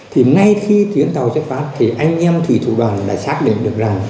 thì ngay khi tuyến tàu xuất phát thì anh em thủy thủ đoàn đã xác định được rằng